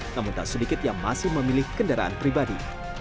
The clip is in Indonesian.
namun tak sedikit yang masih memilih kendaraan pribadi